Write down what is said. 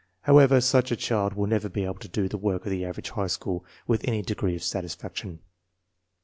However, such a child will never be able to do the work of the average high school with any degree of satisfaction.